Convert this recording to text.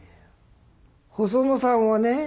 細野さんはね